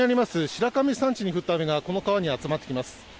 白神山地に降った雨がこの川に集まってきます。